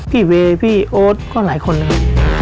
พี่เวพี่โอ๊ตก็หลายคนแล้ว